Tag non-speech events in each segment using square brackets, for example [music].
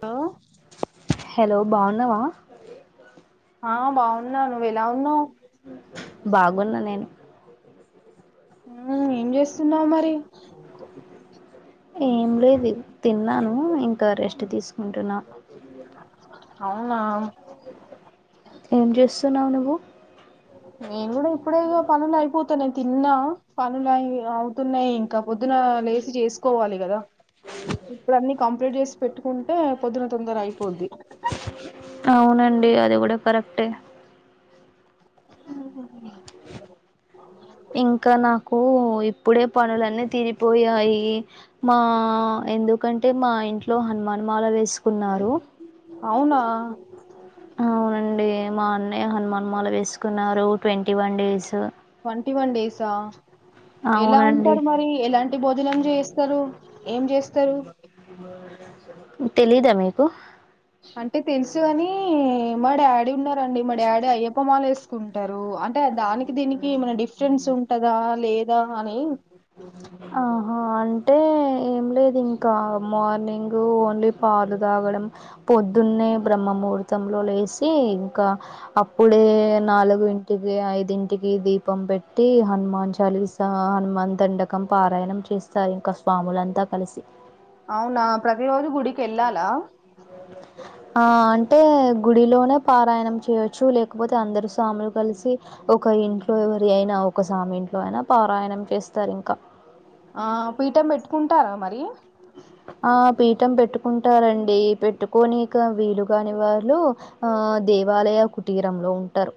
హ హలో బాగున్నావా ఆ బాగున్నా నువ్వు ఎలా ఉన్నావు్ బాగున్నా నేను ఆ ఏం చేస్తున్నావు మరి ఏం లేదు తిన్నాను ఇంకా రెస్ట్ తీసుకుంటున్నా అ అవునా ఏం చేస్తున్నవు నువ్వు నేను కూడా ఇప్పుడే పనులు అయిపోతాన్నాయి తిన్నా పనులు అయి అవుతున్నాయి ఇంకా పొద్దున లేచి చేసుకోవాలి కదా ఇప్పుడు అన్నీ కంప్లీట్ చేసి పెట్టుకుంటే పొద్దున తొందర అయిపోద్ది అవునండి అది కూడా కరెక్టే ఆహ ఇంకా నాకు ఇప్పుడే పనులన్నీ తీరిపోయాయి మా ఎందుకంటే అంటే మా ఇంట్లో హనుమాన్ మాల వేసుకున్నారు అవునా అవునండి మా అన్నయ హనుమాన్ మూల వేసుకున్నారు twenty one days twenty one డేసా ఎలా అవునండి ఉంటారు మరి ఎలాంటి బో జనం చేస్తారు ఏం చేస్తరు స్తరు తెలీదా మీకు అంటే తెలుసు కాని మా డాడీ ఉన్నారండి మా డాడీ అయ్యప్ప మాలు వేసుకుంటరు అంటే దానికి దీనికి ఏమైనా డిఫ రెన్స్ ఉంటదా లేదా అని ఆహా అంటే ఏం లేదు ఇంకా మార్నింగ్ ఓన్లీ పాలు తాగడం పొద్దున్నే బ్రహ్మ ముహూర్తంలో లేసి ఇంకా అప్పుడే నాలుగింటికి ఐదింటికి దీపం పెట్టి హనుమాన్ చలీ సా హనుమాన్ దండకం పారాయణం చేస్తారు ఇంకా స్వాములంతా కలిసి అవునా ప్రతిరోజు గుడికెల్లాలా ఆ అంటే గుడిలోనే పారాయణం చేయవచ్చు లేకపోతే అందరు స్వామలు కలిసి ఒక ఒక్క ఇంట్లో ఎవరి అయినా ఒక సామి ఇంట్లో అయినా పారాయణం చేస్తారు ఇంకా ఆ పీఠం పెట్టుకుంటారా మరి ఆ పీఠం పెట్టుకుంటారండి పెట్టుకొనికి వీలు కాని వాళ్ళు ఆ దేవాలయ కుటీరంలో ఉంటరు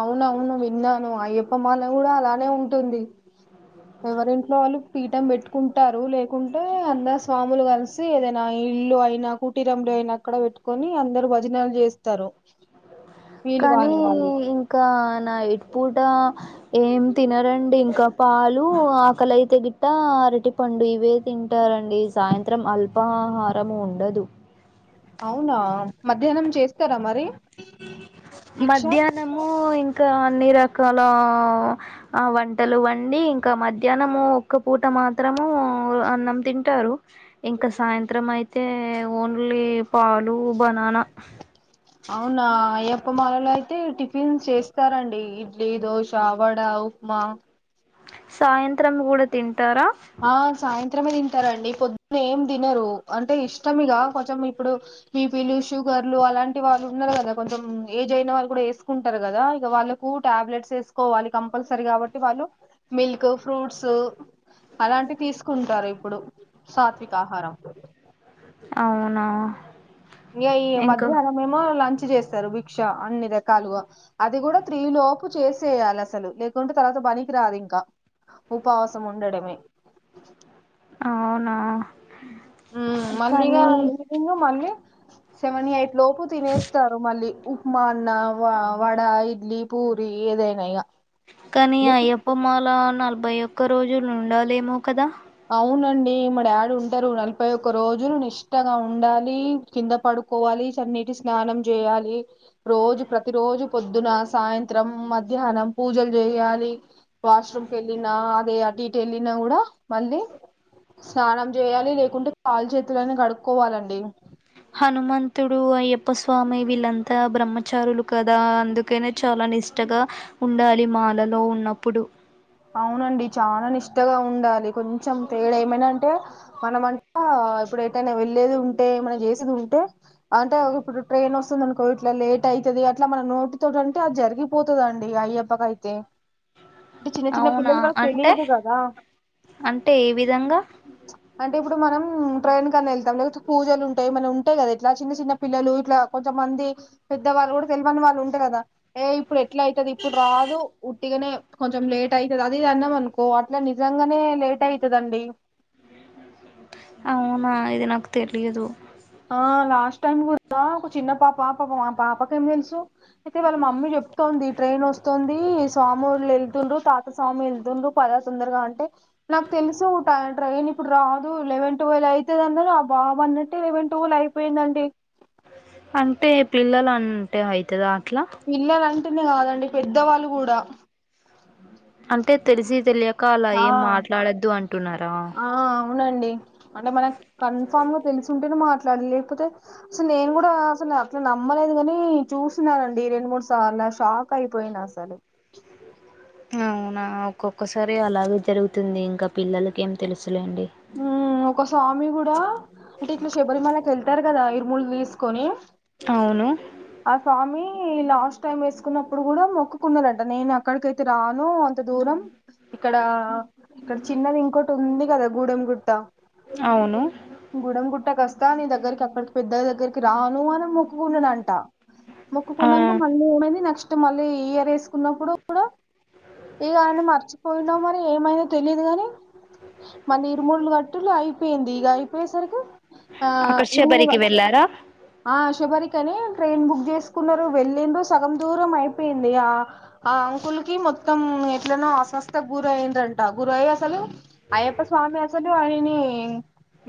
అవునవును విన్నాను అయ్యప్ప మాళ కూడా అలానే ఉంటుంది ఎవరింట్లో వాళ్ళు పీఠం పెట్టుకుంటారు లేకుంటే అందరు స్వాములు కలిసి ఏదైనా ఇల్లు అయినా కూటీరంలో అయినా అక్కడ పెట్టుకొని అందరు భజనలు చేస్తరు కానీ ఇంకా నైట్ పూట ఏం తినరండి ఇంకా పాలు ఆకలి అయితే గిట్ట అరటి పండు ఇవే తింటారండి సాయంత్రం అల్పాహారం ఉండదు అవునా మధ్యాహ్నం చేస్తారా మరి భిక్ష మధ్యాహ్నము ఇంకా అన్ని రకాల వంటలు వండి ఇంకా మధ్యాహ్నము ఒక్క పూట మాత్రము అన్నం తింటారు ఇంకా సాయంత్రం అయితే ఓన్లీ పాలు బనానా అయ్యప్పమాలలో అయితే టిఫిన్స్ చేస్తారండి ఇడ్లీ, దోశ, వడ, ఉప్మా. సాయంత్రం కూడా తిన్ ఆ సాయంన్ త్రమే తింటారండి పొద్దున్న ఏం తినరు అంటే ఇష్టం ఇగ, కొంచెం ఇప్పుడు బీపిలు షుగర్లు అలాంటి వాళ్ళు ఉన్నారు కదా, కొంచెం ఏజ్ అయిన వాళ్ళు కూడా వేసుకుంటారు కదా, ఇగ వాళ్ళకు టాబ్లెట్స్ వేసుకోవాలి కంపల్సరీ కాబట్టి వాళ్ళు మిల్క్, ఫ్రూట్స్. అలాంటి తీసుకుంటారు ఇప్పుడు సాత్విక ఆహారం అవునా ఇయా ఈ ఇంకా మధ్యాహ్నం ఏమో లంచ్ చేస్తారు భిక్ష అన్ని రకాలుగా, అది కూడా త్రిలోపు చేసేయాలి అసలు లేకుంటే తర్వాత పనికి రాదు ఇంకా ఉపవాసం ఉండటమే. అవునా ఉమ్ మళ్ళీ ఇగ కానీ ఎందుకు ఇంగ మళ్ళీ సెమనీ ఏయి ప్ లోపు తినేస్తారు మళ్ళీ ఉప్మా అన్న వ వడ, ఇడ్లీ, పూరి, ఏదైనా ఇగ కానీ అయ్యప్ప మాల న్ నలభై ఒక్క రోజులు ఉండాలేమో కదా అవునండి మా డాడీ ఉంటారు నలభై ఒక్క రోజులు నిష్టగా ఉండాలి, కింద పడుకోవాలి చన్నిటి స్నానం చేయాలి రోజు, ప్రతి రోజు పొద్దున, సాయంత్రం, మధ్యాహ్నం పూజలు చేయాలి వాష్రూమ్కి వెళ్ళినా అదే అటు ఇటు వెళ్ళినా కూడా. మళ్ళీ స్నానం చేయాలి లేకుంటే కాలు చేతులన్న కడుక్కోవాలండి హనుమంతుడు, అయ్యప్ప స్వామి, వీళ్ళంతా బ్రహ్మచారులు కదా అందుకనే చాలా నిష్టగా ఉండాలి మాలలో ఉన్నప్పుడు. అవునండి చాలా నిష్టగా ఉండాలి కొన్ చం తేడా ఏమైనా అంటే మన అంటా ఇప్పుడు ఏటైనా వెళ్లేేది ఉంటే, మనం చేసేది ఉంటే, అంటే ఇప్పుడు ట్రైన్ వస్తుంది అనుకో ఇట్లా లేట్ అయితది, అట్లా మన నోటి తోటి అంటే అది జరిగిపోతదండి అయ్యప్పకయితే అవునా అంటే అంటే ఏ విధంగా అంటే ఇప్పుడు మనం ట్రైన్ కన్నా వెళ్తాం లేకపోతే పూజలు ఉంటాయి, ఏమన ఉంటాయి కదా ఇట్లా చిన్న చిన్న పిల్లలు ఇట్లా కొంతమంది పెద్దవాళ్ళు కూడా తెలిమని వాళ్ళు ఉంటారు కదా, ఏ ఇప్పుడు ఎట్లా అయితది ఇప్పుడు రాదు ఉట్టిగనే కొంచెం లేట్ అయితది అదిది అన్నాం అనుకో అట్లా నిజంగానే లేట్ అయితదండి అవునా ఇది నాకు తెలియదు ఆ లాస్ టైం కూడా ఒక చిన్న పాప పాప మా పాపకేం తెలుసు, అయితే వాళ్ళ మమ్మీ చెప్తోంది ట్రైన్ వస్తుంది స్వాముళ్ళు వెళ్తుండ్రు, తాత స్వామి వెళ్తుండ్రు, పద తొందరగా అంటే నాకు తెలుసు ట్రైన్ ఇప్పుడు రాదు, లెవెన్ ట్వెల్వ్ అయితది అన్నారు ఆ బాబ్ అన్నట్టే లెవెన్ టువల్ అయిపోయిందండి అంటే పిల్లలు అంటే అయితదా అట్లా పిల్లలన్ అంటనే కాదండి పెద్దవాళ్ళు కూడా అంటే తెలిసి తెలియక్ కా అలా ఆ ఏం మాట్లాడొద్దు అంటున్నారా ఆ అవునండి అంటే మనక్ కన్ఫామ్ గా తెలిసుంటేనే మాట్లాడ్, లేకపోతే అసలు నేను కూడా అసలు అట్లా నమ్మలేదు, కాని చూసిననండి రెండు మూడు సార్లు షాక్ అయిపోయిను అసలు. అవునా ఒక్కొక్కసారి అలాగే జరుగుతుంది ఇంక పిల్లలకి ఏం తెలుస్ ఉమ్ ఒక స్వామి కూడా అంటే ఇట్లా శబరిమలకి వెళ్ ళ్తారు కదా ఇరుముళ్ తీసుకొని అవును ఆ స్వామి లాస్ట్ టైమ్ వేసుకున్నప్పుడు కూడా మొక్కుకున్నారంట నేను అక్కడికైతే రాను అంత దూరం ఇక్కడ ఇక్కడ చిన్నది ఇంకోటి ఉంది కదా గూడెం గుట్టా అవును గుడ గుట్టకస్తా నీ దగ్గరికి అక్కడికి పెద్ద దగ్గరికి రాను అని మొక్కుకున్నాన అంట ఆ ముక్కకున్నాంగా మల్లి ఎం నెక్స్ట్ మళ్ళీ ఇ ఇయర్ వేసుకున్నప్పుడు కూడా ఇ మర్చిపోయినాం అని ఏమైందో తెలియదు ని మన ఇరుమూడులు గట్టులు అయి పింది గయి పేసరికి ఆ అక్కడ ఇరు శబరికి వెళ్ళారా ఆ శుబరికనే ట్రైన్ బుక్ చేసుకున్నారు వెళ్ళందు సగం దూరం అయిపోయింది ఆ ఆ అంకుల్కి మొత్తం ఎట్లనో అస్వస్థకు గుర అయిందంట గుర అయ్య అసలు ఆయప్ప స్వామి అసని అని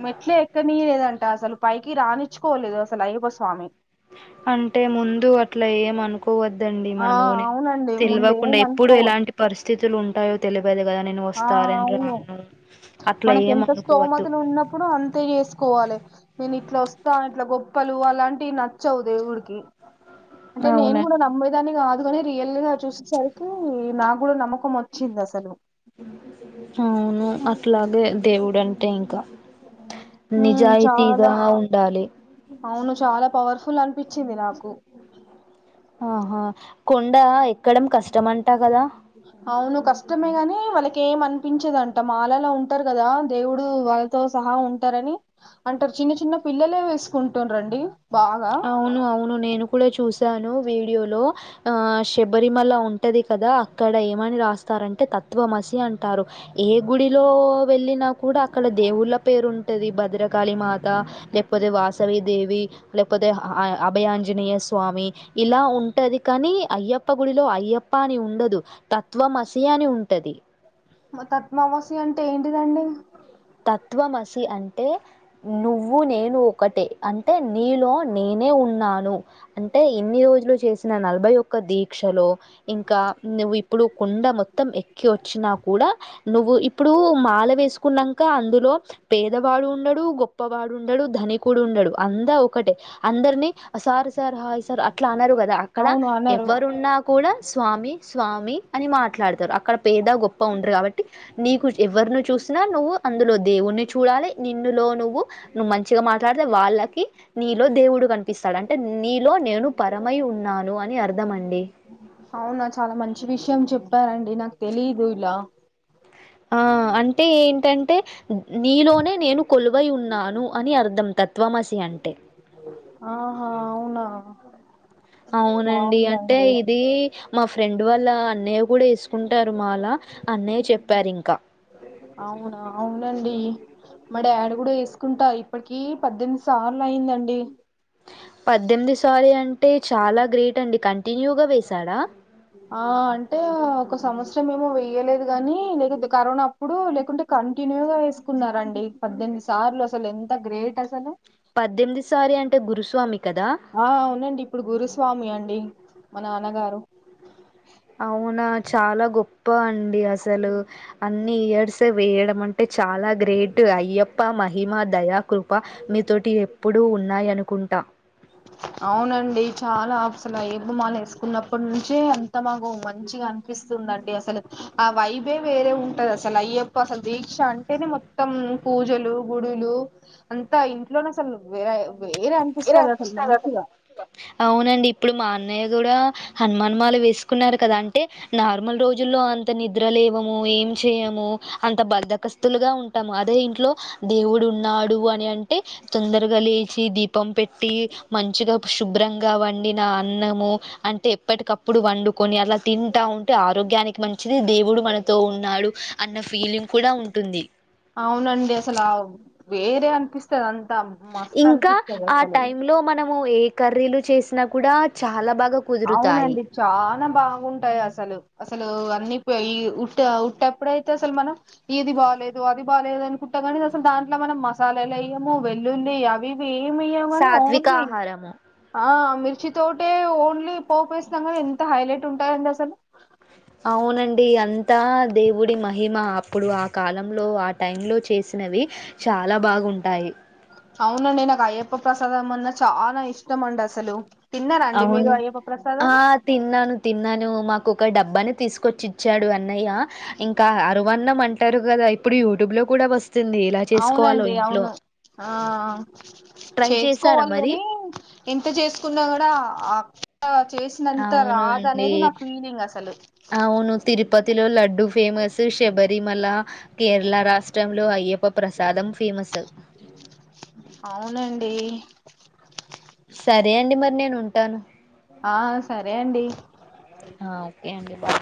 మెట్లే ఎక్కనీయ లేదంట అసలు పైకి రాణచ్చుకోవలేదు అసలు అయ్యప్ప స్వామి అంటే ముందు అట్లా ఏమ అనుకు పోవద్దండి ఆ మనము అవునండి ముందేం తెలివకుండా ఎప్పుడు అనుకో ఎలాంటి పరిస్థితులు ఉంటా టయో తెలి ఆ అవును అట్లా మనకి ఏం ఎంత అనుకోవద్దు స్తోమతలు ఉన్నప్పుడు అంతే చేసుకోవాలి నేను ఇట్లా వస్తా ఇట్లా గొప్ప ప్పలు అలాంటివి నచ్చవు దేవుడికి అంటే నేను కూడా అవునండి నమ్మేదానికి అందుకని రియల్ గా చూసేసరికి నా కూడా నమ్మకం వచ్చింది అసలు అవును అట్లాగే దేవుడు అంటే ఇంకా హ్మ్ చాలా నిజాయితీగా ఉండాలి అవును చాలా పవర్ఫుల్ అనిపించింది నాకు ఆహా కొండా ఎ ఎక్కడం కష్టం అంటా కదా అవును కష్టమే గాని వాళ్ళకి ఏం అనిపించేదంట మాలాలా ఉంటారు కదా దేవుడు వాళ్ళతో సహా ఉంటారని అంటారు చిన్న చిన్న పిల్లలే వేసుకుంటునండి అవును అవును నేను కూడా చూసాను వీడియోలో ఆ శబరిమల ఉంటది కదా అక్కడ ఏమని రాస్తారంటే తత్వమసి అంటారు ఏ గుడిలో వెళ్ళినా కూడా అక్కడ దేవుళ్ళ పేరు ఉంటది భద్రకాళి మాత లేకపోతే వాసవీ దేవి లేకపోతే అభయాంజనేయ స్వామి ఇలా ఉంటది కానీ అయ్యప్ప గుడిలో అయ్యప్ప అని ఉండదు తత్వమసి అని ఉంటది పద్మావాస్య అంటే ఏంటిదండి తత్వమసి అంటే నువ్వు నేను ఒకటి అంటే నీలో నేనే ఉన్నాను అంటే ఇన్ని రోజులు చేసిన నలభై ఒక్క దీక్షలో ఇంకా నువ్వు ఇప్పుడు కుండ మొ మొత్తం ఎక్కి వచ్చినా కూడా నువ్వు ఇప్పుడూ మాల వేసుకున్నాం క అందులో పేదవాడు ఉండడు గొప్పవాడు ఉండడు ధనికుడు ఉండడు అందా ఒకటే అందరిని సారు సార్ హాయి అట్లా అనరు కదా అక్కడ అవును అనరు ఎవరున్నా కూడా స్వామి స్వామి అని మాట్లాడతారు అక్కడ పేద గొప్ప ఉండరు కాబట్టి నీకు ఎవరిని చూసినా నువ్వు అందులో దేవుడిని చూడాలి నిన్నులో నువ్వు నువ్వు మంచిగా మాట్లాడితే వాళ్ళకి నీలో దేవుడు కనిపిస్తాడు అంటే నీలో నేను పరమై ఉన్నాను అని అర్థం అండి అవునా చాలా మంచి విషయం చెప్పారండి నాకు తెలీదు ఇలా ఆ అంటే ఏంటంటే నీలోనే నేను కొలువై ఉన్నాను అని అర్థం తత్ త్వమసి అంటే ఆహా అవునా అవునండి అంటే బాగుందండి ఇదీ మా ఫ్రెండ్ వాళ్ల అన్నయ్య కూడా ఏసుకుంటారు మాలా అన్నయ్య చెప్పారు ఇంకా అవునా అవునండి మా డాడీ కూడా ఏసుకుంటా ఇప్పటికి పద్దెనిమిది సార్లు అయిందండి పద్దెనిమిదో సారి అంటె అంటె చాలా గ్రేట్ అండి కంటి వినియగ వేశ ఆ అంటే ఒక సమత్స రం ఏమో వెయ్యలేదు గాని లేకపోతే కరోనా అప్పుడు లేకుంటే కంటిన్యూగా వేసుకున్నారండి పద్దెనిమిది సార్లు అసలు ఎంత గ్రేట్ అసలు పద్దెనిమిదోసారి అంటే గురుస్వామికి ఆ అవునండి ఇప్పుడు గురుస్వామి అండి మా నాన్నగారు అవునా చాలా గొప్ప అండి అసలు అన్ని ఇయర్సే వేయడం అంటే అంటే చాలా గ్రేట్ అయ్యప్ య్యప్ప మహిమ దయా కృప మీతోటి ఎప్పుడూ ఉన్నాయనుకుంటా అవునండి చాలా అసలు అయ్యప్పమాల వేసుకున్నప్పటి నుంచే అంత మాకు మంచిగా అనిపిస్తుందండి అసలు ఆ వైబే వేరే ఉంటది అసలు అయ్యప్ప అసలు దీక్ష అంటేనే మొత్తం పూజలు గుడులు అంతా ఇంట్లోనే అసలు వేరే వేరే అ అవునండి ఇప్పుడు మా అన్నయ్య కూడా హనుమాన్ మాల వేసుకున్నారు కదా అంటే నార్మల్ రోజుల్లో అంత నిద్రలేవమ్ ఏం చేయము అంత బద్దకస్తులుగా ఉంటాము అదే ఇంట్లో దేవుడు ఉన్నాడు అని అంటే తొందరగా లేచి దీ పంపెట్ ట్టి మంచిగా శుభ్రం గా వండి వండిన అన్నము అంటే ఎప్పటికప్పుడు వండుకొని అలా తింటా ఉంటే ఆరోగ్యానికి మంచిది దేవుడు మనతో ఉన్నాడు అన్న ఫీలింగ్ కూడా ఉంటుంది అవునండి అసలు వేరే అనిపిస్తుంది అంత ఇంకా ఆ టైమ్ లో మనము ఏ కర్రీలు చేసి ణ కూడా చాలా బాగా కుదురుతాయి. ఉంటాయి అసలు అసలు అన్ని పఈ ఉట్ట ఉట్టేప్పుడ అయితే అసలు మనం ఇది బాోలేదు అది బాలేదు అనుకుంటా కానీ అసలు దాంట్లో మనం మసాలాలు వెయ్యము వెల్లుల్లి అవివి సాత్విక [unintelligible] ఆహారము ఆ మిర్చిద్ తోటే ఓన్లీ పోపేస్తం గని ఎంత హైలైట్ ఉంటదంటె అసలు అవునండి, అంతా దేవుడి మహిమ అప్పుడు ఆ కాలంలో ఆ టైమ్ లో చేసినవి చాలా బాగుంటాయి. అవునండి నాకు అయ్యప్ప ప్రసాదం అన్నా చాలా ఇష్టమండ అసలు తిన్నారా అండి అవున్ మీరు అయ్యప్ప ప్రసాదం ఆ తిన్నాను తిన్నాను మాక్ ఒక డబ్బాని తీసుకొచ్చి ఇచ్చాడు అన్ అన్నయ్య ఇంకా ఆరొ వన్నం అంటారు కదా ఇప్పుడు యూట్యూబ్ లో కూడా వస్ అవునండి అవును ఆ ఆ ట్రై చేశారా చేసుకోవాలి మరి గని, ఎంత చేసుకున్నా కూడా ఆ ఆ.. చేసినంత అవును అండి రాదఅనేది నా ఫీలింగ్ అసలు అవును తిరుపతిలో లడ్డూ ఫేమస్ సర్ శబరిమల కేరళ రాష్ట్రంలో అయ్యప్ప ప్రసాదం ఫేమస్స్ డి సరే అండి మరి నేను ఉంటాను. ఆ సరే అండి ఆ ఓకే అండి బాయ్